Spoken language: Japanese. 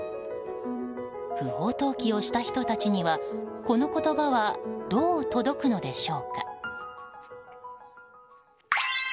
不法投棄をした人たちにはこの言葉はどう届くのでしょうか。